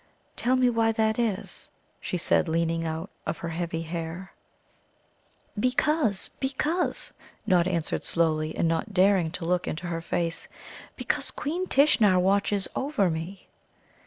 "Tell me why that is," she said, leaning out of her heavy hair. "Because because," Nod answered slowly, and not daring to look into her face "because Queen Tishnar watches over me."